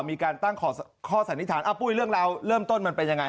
มีการตั้งข้อสันนิษฐานปุ้ยเรื่องราวเริ่มต้นมันเป็นยังไง